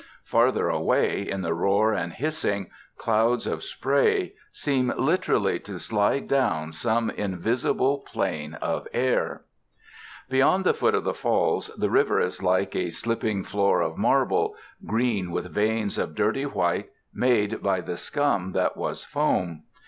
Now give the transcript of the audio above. Farther away, in the roar and hissing, clouds of spray seem literally to slide down some invisible plane of air. Beyond the foot of the Falls the river is like a slipping floor of marble, green with veins of dirty white, made by the scum that was foam.